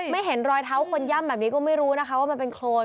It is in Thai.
ไม่เห็นรอยเท้าคนย่ำแบบนี้ก็ไม่รู้นะคะว่ามันเป็นโครน